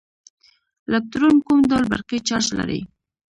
الکترون کوم ډول برقي چارچ لري.